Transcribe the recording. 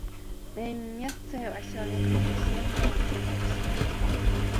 На яе месцы асела некалькі сем'яў рускіх сялян.